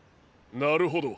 なるほど。